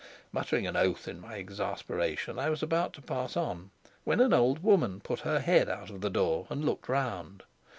Muttering an oath in my exasperation, I was about to pass on, when an old woman put her head out of the door and looked round.